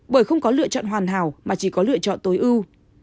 bởi không có lựa chọn hoàn hảo mà chỉ có lựa chọn tối ưu